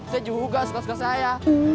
saya juga suka sekas saya